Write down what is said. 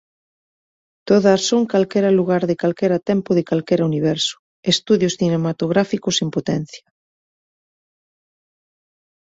Todas son calquera lugar de calquera tempo de calquera universo, estudios cinematográficos en potencia.